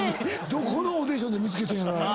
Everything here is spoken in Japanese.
どこのオーディションで見つけてんやろな。